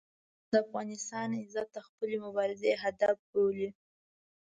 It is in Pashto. د افغانستان عزت د خپلې مبارزې هدف بولي.